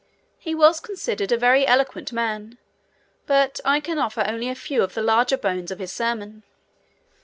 He was considered a very eloquent man, but I can offer only a few of the larger bones of his sermon.